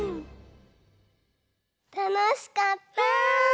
たのしかった。